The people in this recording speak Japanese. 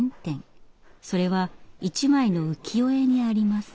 それは一枚の浮世絵にあります。